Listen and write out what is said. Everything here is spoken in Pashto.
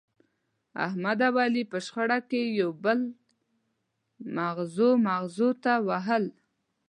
احمد او علي په شخړه کې یو بل مغزو مغزو ته ووهل.